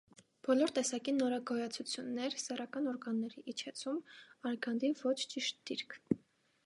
Բոլոր տեսակի նորագոյացություններ, սեռական օրգանների իջեցում, արգանդի ոչ ճիշտ դիրք։